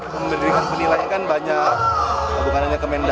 pemerintah kota medan menerima penghargaan yang berbeda